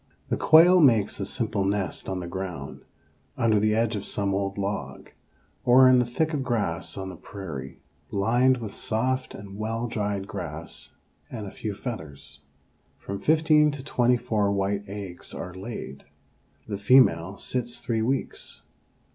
The quail makes a simple nest on the ground, under the edge of some old log, or in the thick grass on the prairie, lined with soft and well dried grass and a few feathers. From fifteen to twenty four white eggs are laid. The female sits three weeks.